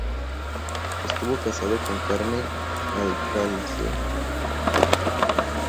Estuvo casado con Carmen Alcalde Pinto.